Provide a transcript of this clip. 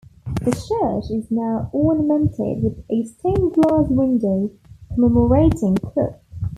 The church is now ornamented with a stained-glass window commemorating Cook.